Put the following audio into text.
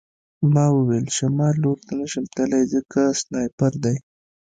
ما وویل شمال لور ته نشم تللی ځکه سنایپر دی